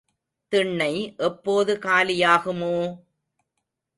திண்ணை எப்போது காலி ஆகுமோ?